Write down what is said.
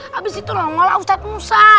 habis itu lah ngolak ustadz musa